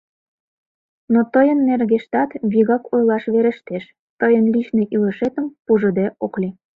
Но тыйын нергештат вигак ойлаш верештеш: тыйын личный илышетым пужыде ок лий.